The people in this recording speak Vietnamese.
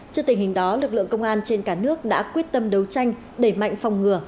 trước tình hình đó lực lượng công an trên cả nước đã quyết tâm đấu tranh đẩy mạnh phòng ngừa